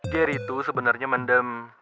geri itu sebenarnya mendem